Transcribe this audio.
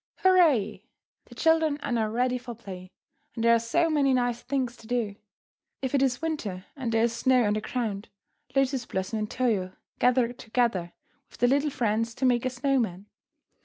Hurrah! The children are now ready for play, and there are so many nice things to do. If it is winter and there is snow on the ground, Lotus Blossom and Toyo gather together with their little friends to make a snow man.